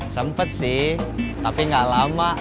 sempet sih tapi gak lama